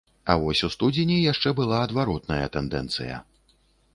А вось у студзені яшчэ была адваротная тэндэнцыя.